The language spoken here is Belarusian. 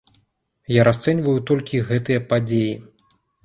Я расцэньваю толькі гэтыя падзеі.